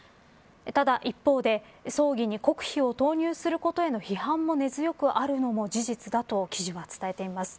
ただ一方で、葬儀に国費を投入することへの批判も根強くあるのも事実だと記事は伝えています。